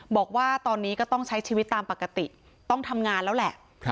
บอกว่าตอนนี้ก็ต้องใช้ชีวิตตามปกติต้องทำงานแล้วแหละ